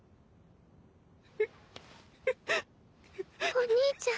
お兄ちゃん。